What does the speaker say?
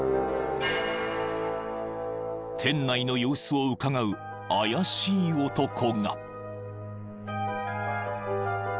［店内の様子をうかがう怪しい男が］